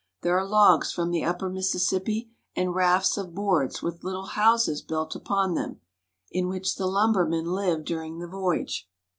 There are logs from the upper Mississippi, and rafts of boards, with little houses built upon them, in which the lumbermen live during the voyage.